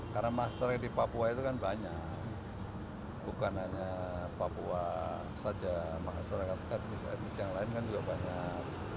karena masyarakat di papua itu kan banyak bukan hanya papua saja masyarakat etnis etnis yang lain kan juga banyak